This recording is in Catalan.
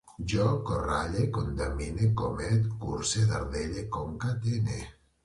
Jo coralle, contramine, comet, curse, dardelle, concatene